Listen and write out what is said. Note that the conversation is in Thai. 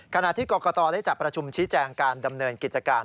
ขณะที่กรกตได้จัดประชุมชี้แจงการดำเนินกิจการ